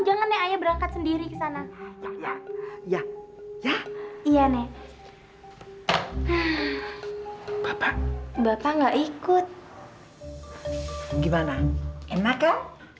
jangan coba coba mendekat